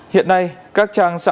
hiện nay các trang sáng